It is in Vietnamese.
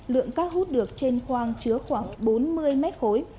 lượng cát hút được trên khoang chứa khoảng bốn mươi mét khối